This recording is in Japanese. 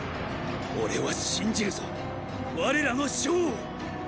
俺は信じるぞ我らの将を！